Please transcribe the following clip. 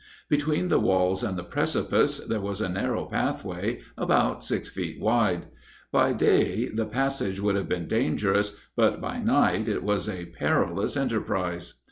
Between the walls and the precipice, there was a narrow pathway about six feet wide; by day, the passage would have been dangerous; but, by night, it was a perilous enterprize.